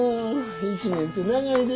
１年て長いで。